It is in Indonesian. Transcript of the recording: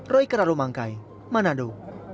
roy kerarumangkai manado